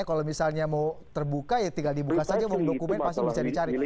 kalau misalnya mau terbuka ya tinggal dibuka saja mau dokumen pasti bisa dicari